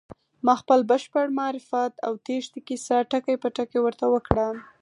ما خپل بشپړ معرفت او تېښتې کيسه ټکی په ټکی ورته وکړه.